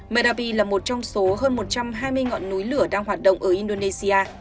merdapi là một trong số hơn một trăm hai mươi ngọn núi lửa đang hoạt động ở indonesia